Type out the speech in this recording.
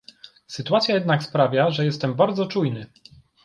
Sytuacja jednak sprawia, że jestem bardzo czujny